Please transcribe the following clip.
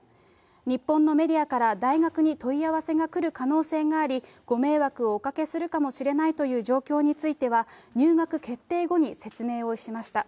日本のメディアから大学に問い合わせが来る可能性があり、ご迷惑をおかけするかもしれないという状況については、入学決定後に説明をしました。